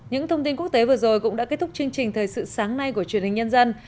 những thông tin quốc tế vừa rồi cũng đã kết thúc chương trình thời sự sáng nay của truyền hình nhân dân